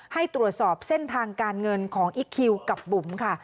ให้ตรวจสอบเส้นทางการเงินของอีคคิวกับบุ๋มค่ะ